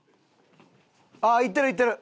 ああ行ってる行ってる！